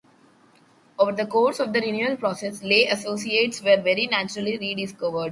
Over the course of the renewal process, lay associates were very naturally rediscovered.